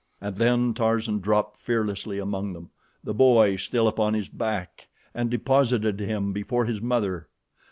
And then Tarzan dropped fearlessly among them, the boy still upon his back, and deposited him before his mother.